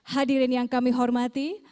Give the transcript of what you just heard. hadirin yang kami hormati